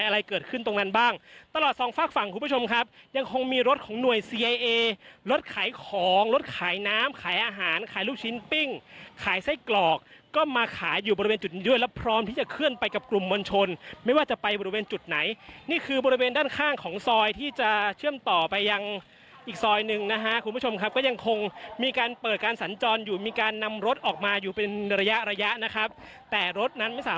รถขายของรถขายน้ำขายอาหารขายลูกชิ้นปิ้งขายไส้กรอกก็มาขายอยู่บริเวณจุดนี้ด้วยแล้วพร้อมที่จะเคลื่อนไปกับกลุ่มมนชนไม่ว่าจะไปบริเวณจุดไหนนี่คือบริเวณด้านข้างของซอยที่จะเชื่อมต่อไปยังอีกซอยหนึ่งนะฮะคุณผู้ชมครับก็ยังคงมีการเปิดการสัญจรอยู่มีการนำรถออกมาอยู่เป็นระยะระยะนะครับแต่รถนั้